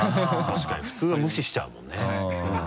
確かに普通は無視しちゃうもんね。